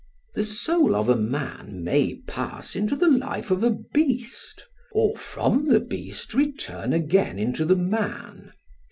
The soul of a man may pass into the life of a beast, or from the beast return again into the man.